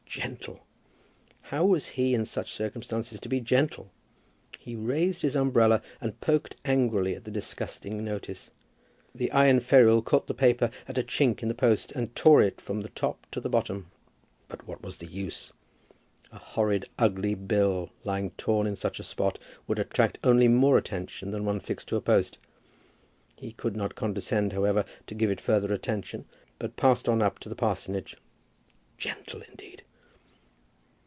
Gentle! How was he in such circumstances to be gentle? He raised his umbrella and poked angrily at the disgusting notice. The iron ferule caught the paper at a chink in the post, and tore it from the top to the bottom. But what was the use? A horrid ugly bill lying torn in such a spot would attract only more attention than one fixed to a post. He could not condescend, however, to give to it further attention, but passed on up to the parsonage. Gentle, indeed!